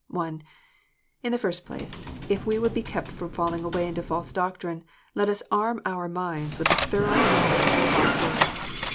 (1) In the first place, if we would be kept from falling away into false doctrine, let us arm our minds with a thorough knoiv ledya of God s Word.